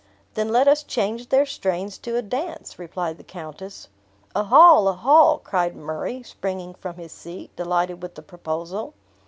"Then let us change their strains to a dance," replied the countess. "A hall! a hall!" cried Murray, springing from his seat, delighted with the proposal.